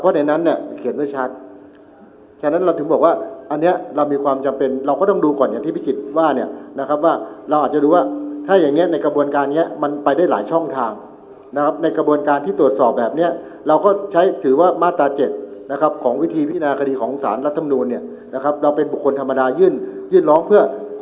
เพราะในนั้นเนี่ยเขียนเพื่อชัดฉะนั้นเราถึงบอกว่าอันเนี้ยเรามีความจำเป็นเราก็ต้องดูก่อนอย่างที่พิศิษฐ์ว่าเนี่ยนะครับว่าเราอาจจะดูว่าถ้าอย่างเงี้ยในกระบวนการเนี้ยมันไปได้หลายช่องทางนะครับในกระบวนการที่ตรวจสอบแบบเนี้ยเราก็ใช้ถือว่ามาตราเจ็ดนะครับของวิธีพินาคดีของสารรับทำนู